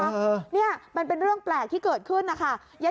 เออเนี่ยมันเป็นเรื่องแปลกที่เกิดขึ้นนะคะ